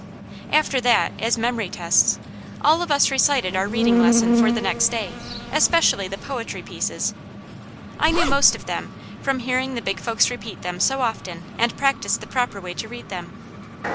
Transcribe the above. After that, as memory tests, all of us recited our reading lesson for the next day, especially the poetry pieces. I knew most of them, from hearing the big folks repeat them so often and practise the proper way to read them.